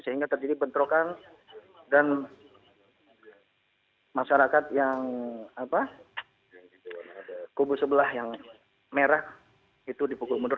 sehingga terjadi bentrokan dan masyarakat yang kubu sebelah yang merah itu dipukul mundur